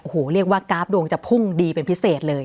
โอ้โหเรียกว่ากราฟดวงจะพุ่งดีเป็นพิเศษเลย